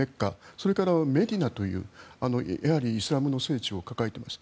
それからメディナというイスラムの聖地を抱えています。